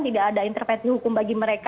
tidak ada intervensi hukum bagi mereka